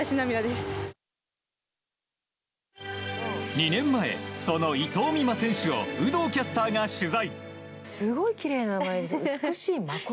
２年前、その伊藤美誠選手を有働キャスターが取材。